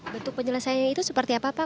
bentuk penyelesaiannya itu seperti apa pak